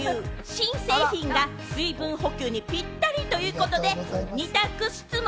新製品が水分補給にぴったりということで、二択質問！